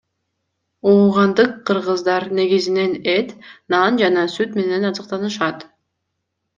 Оогандык кыргыздар негизинен эт, нан жана сүт менен азыктанышат.